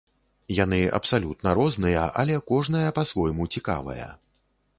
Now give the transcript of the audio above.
Яны абсалютна розныя, але кожная па-свойму цікавая.